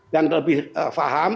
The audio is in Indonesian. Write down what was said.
dan lebih faham